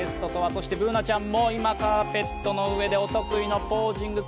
そしてＢｏｏｎａちゃんも、今、カーペットの上でお得意のポージング。